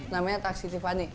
namanya taksi tiffany